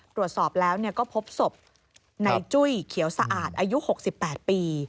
ตรวจสอบแล้วก็พบศพในจุ้ยเขียวสะอาดอายุ๖๘ปี